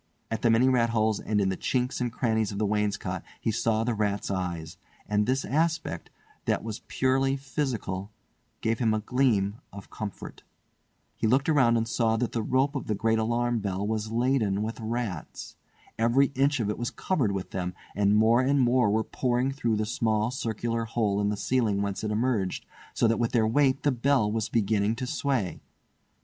At the many rat holes and in the chinks and crannies of the wainscot he saw the rats' eyes; and this aspect, that was purely physical, gave him a gleam of comfort. He looked around and saw that the rope of the great alarm bell was laden with rats. Every inch of it was covered with them, and more and more were pouring through the small circular hole in the ceiling whence it emerged, so that with their weight the bell was beginning to sway.